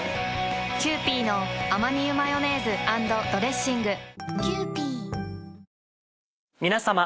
キユーピーのアマニ油マヨネーズ＆ドレッシング皆さま。